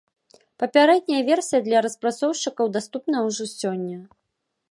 Папярэдняя версія для распрацоўшчыкаў даступная ўжо сёння.